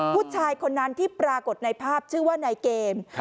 ผู้ชายคนนั้นที่ปรากฏในภาพชื่อว่านายเกม